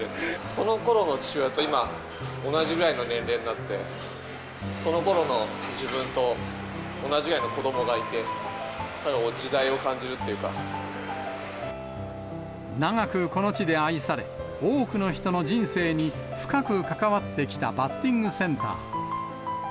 そのころの父親と今、同じぐらいの年齢になって、そのころの自分と同じぐらいの子どもがいて、時代を感じるってい長くこの地で愛され、多くの人の人生に深く関わってきたバッティングセンター。